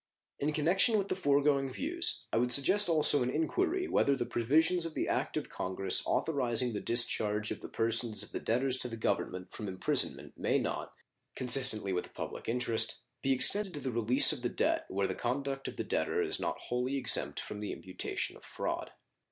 In connection with the foregoing views I would suggest also an inquiry whether the provisions of the act of Congress authorizing the discharge of the persons of the debtors to the Government from imprisonment may not, consistently with the public interest, be extended to the release of the debt where the conduct of the debtor is wholly exempt from the imputation of fraud.